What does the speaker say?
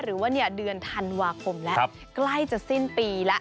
หรือว่าเดือนธันวาคมแล้วใกล้จะสิ้นปีแล้ว